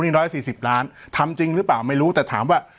หนี้ร้อยสี่สิบล้านทำจริงหรือเปล่าไม่รู้แต่ถามว่า